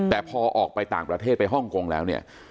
แต่พอออกไปต่างประเทศไปฮ่องกงแล้วเนี่ย